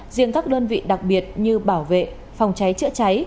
riêng các đơn vị đặc biệt như bảo vệ phòng cháy chữa cháy